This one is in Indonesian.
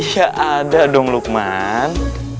iya ada dong luqman